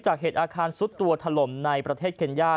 จากเหตุอาคารสุดตัวถล่มในประเทศเคร็ญญา